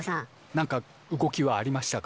何か動きはありましたか？